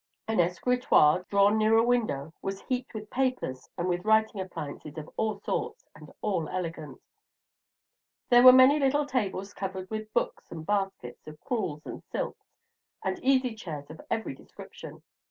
An escritoire, drawn near a window, was heaped with papers and with writing appliances of all sorts, and all elegant. There were many little tables covered with books and baskets of crewels and silks, and easy chairs of every description.